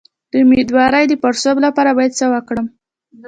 د امیدوارۍ د پړسوب لپاره باید څه وکړم؟